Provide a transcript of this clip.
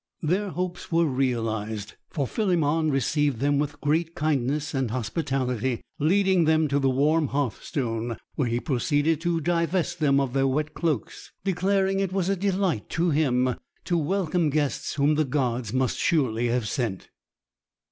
Their hopes were realised; for Philemon received them with great kindness and hospitality, leading them to the warm hearthstone, where he proceeded to divest them of their wet cloaks, declaring it was a delight to him to welcome guests whom the gods must surely have sent.